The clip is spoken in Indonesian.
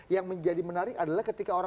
yang menjadi menarik adalah ketika orang